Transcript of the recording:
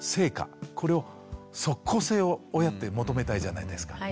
これを即効性を親って求めたいじゃないですか。